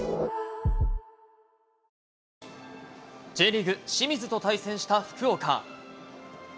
Ｊリーグ、清水と対戦した福岡。